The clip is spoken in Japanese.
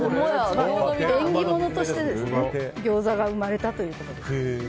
縁起物としてギョーザが生まれたということですね。